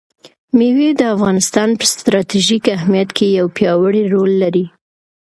مېوې د افغانستان په ستراتیژیک اهمیت کې یو پیاوړی رول لري.